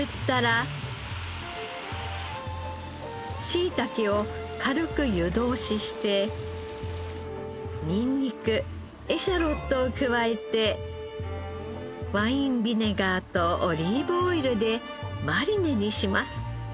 しいたけを軽く湯通ししてニンニクエシャロットを加えてワインビネガーとオリーブオイルでマリネにします。